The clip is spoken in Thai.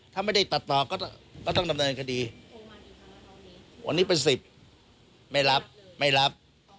ถ้าไม่ได้ตัดต่อก็ต้องดำเนินคดีวันนี้เป็น๑๐ไม่รับไม่รับ